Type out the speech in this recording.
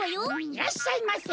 いらっしゃいませ。